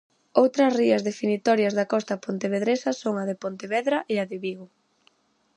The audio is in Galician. Outras rías definitorias da costa pontevedresa son a de Pontevedra e a de Vigo.